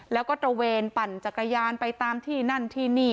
แล้วก็ตระเวนปั่นจักรยานไปตามที่นั่นที่นี่